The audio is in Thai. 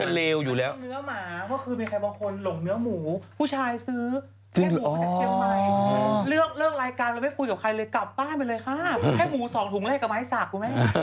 เริ่มเลิกรายการเราไม่ฟูลกับใครเลยกลับบ้านไปเลยค่ะ